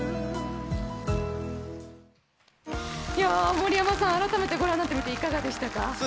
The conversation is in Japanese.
森山さん、改めてご覧になっていかがでしたか？